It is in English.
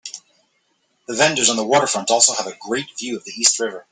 The vendors on the waterfront also have a great view of the East River.